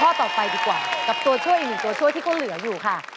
ข้อต่อไปดีกว่ากับตัวช่วยอีกหนึ่งตัวช่วยที่เขาเหลืออยู่ค่ะ